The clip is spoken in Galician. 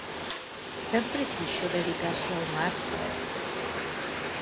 Sempre quixo dedicarse ao mar?